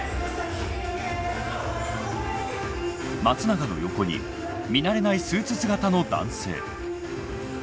松永の横に見慣れないスーツ姿の男性。